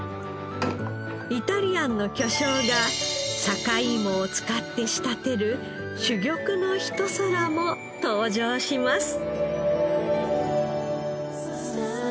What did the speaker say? イタリアンの巨匠が坂井芋を使って仕立てる珠玉の一皿も登場します。